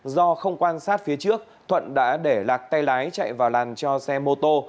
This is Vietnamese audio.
do không quan sát phía trước thuận đã để lạc tay lái chạy vào làn cho xe mô tô